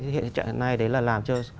hiện trạng này là làm cho